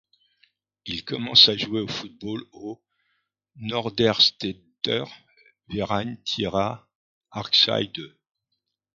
Il commence à jouer au football au Norderstedter Verein TyRa Harksheide.